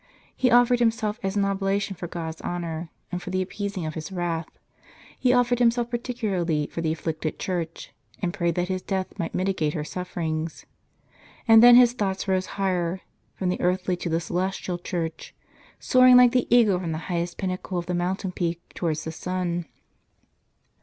He offered himself as an oblation for God's honor, and for the appeasing of his wrath. He offered him self particularly for the afflicted Church, and prayed that his death might mitigate her sufferings. * Called thence St. Aclauctus. "IIP ^^n® J U ®l ^j U Li And then his thoughts rose higher, from the earthly to the celestial Church; soaring like the eagle from the highest pin nacle of the mountain peak, towards the sun.